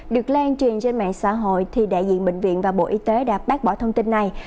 được lan truyền trên mạng xã hội thì đại diện bệnh viện và bộ y tế đã bác bỏ thông tin này